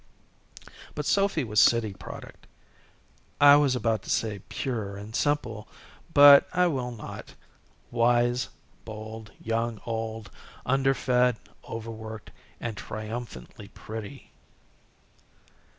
But Sophy was a city product I was about to say pure and simple, but I will not wise, bold, young, old, underfed, overworked, and triumphantly pretty.